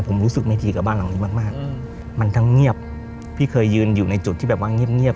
ผมรู้สึกไม่ดีกับบ้านหลังนี้มากมากมันทั้งเงียบพี่เคยยืนอยู่ในจุดที่แบบว่าเงียบ